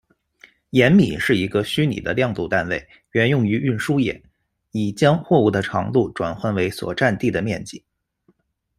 延米是一个虚拟的量度单位，原用于运输业，以将货物的长度换算为所占地的面积。